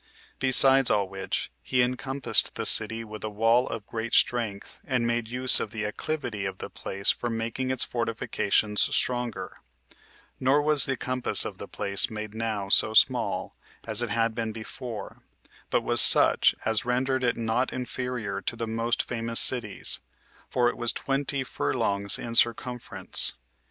Besides all which, he encompassed the city with a wall of great strength, and made use of the acclivity of the place for making its fortifications stronger; nor was the compass of the place made now so small as it had been before, but was such as rendered it not inferior to the most famous cities; for it was twenty furlongs in circumference.